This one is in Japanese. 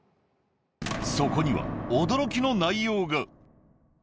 そこには驚きの内容が。